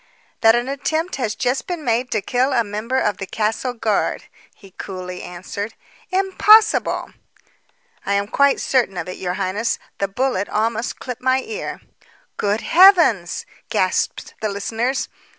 "That an attempt has just been made to kill a member of the castle guard," he coolly answered. "Impossible!" "I am quite certain of it, your highness. The bullet almost clipped my ear." "Good heavens!" gasped the listeners.